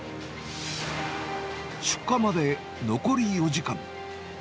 出荷まで残り４時間。